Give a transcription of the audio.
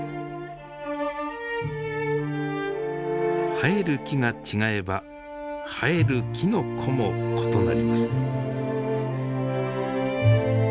生える木が違えば生えるきのこも異なります。